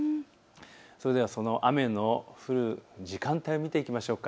それではその雨の降る時間帯を見ていきましょう。